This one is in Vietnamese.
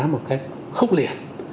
một cách khốc liệt